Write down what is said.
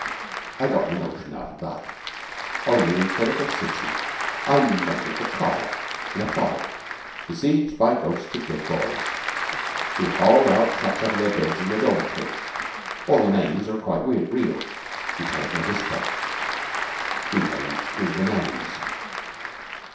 "I got the notion out of that. Only, instead of a city, I made it the Coll. in a fog besieged by ghosts of dead boys, who hauled chaps out of their beds in the dormitory. All the names are quite real. You tell it in a whisper, you know with the names.